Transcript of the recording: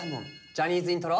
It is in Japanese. ジャニーズイントロ。